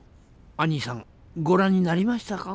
アニーさんご覧になりましたか？